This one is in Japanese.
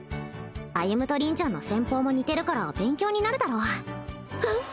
歩と凛ちゃんの戦法も似てるから勉強になるだろあっ